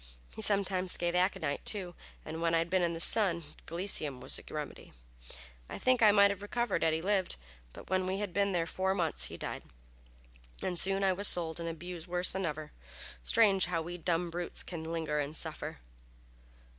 He sometimes gave aconite, too; and when I had been in the sun, gelseminum was the remedy. I think I might have recovered had he lived, but when I had been there four months he died, and soon I was sold and abused worse than ever. Strange, how we dumb brutes can linger and suffer!"